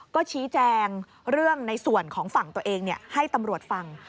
ก็ชี้แจงเรื่องในส่วนของฝั่งตัวเองให้ตำรวจฟัง